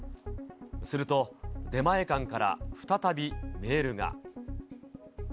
すると、出前館から再びメールが。